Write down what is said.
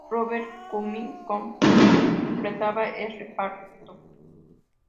Robert Cummings completaba el reparto.